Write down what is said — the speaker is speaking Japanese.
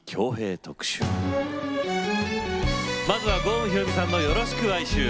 まずは郷ひろみさんの「よろしく哀愁」。